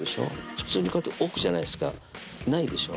普通にこうやって置くじゃないですかないでしょ？